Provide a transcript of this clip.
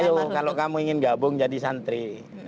ayo kalau kamu ingin gabung jadi santri